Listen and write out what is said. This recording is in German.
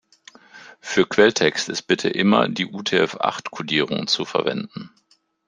Für Quelltext ist bitte immer die UTF-acht-Kodierung zu verwenden.